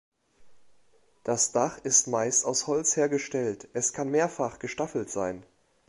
Das Dach ist meist aus Holz hergestellt, es kann mehrfach gestaffelt sein.